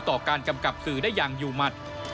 ต่อการกำกับสื่อได้อย่างอยู่หมัด